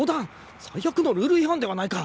最悪のルール違反ではないか。